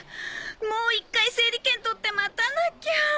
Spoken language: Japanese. もう１回整理券取って待たなきゃ。